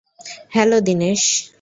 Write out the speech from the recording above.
Hello, Dinesh.